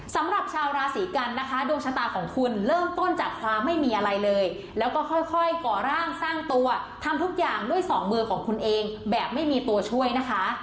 สำหรับชาวราศีกันนะคะดวงชะตาของคุณเริ่มต้นจากความไม่มีอะไรเลยแล้วก็ค่อยก่อร่างสร้างตัวทำทุกอย่างด้วยสองมือของคุณเองแบบไม่มีตัวช่วยนะคะ